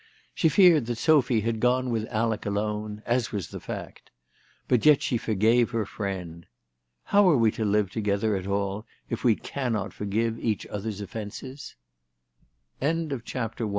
She feared that Sophy had gone with Alec alone, as was the fact. But yet she forgave her friend. How are we to live together at all if we cannot forgive each other's o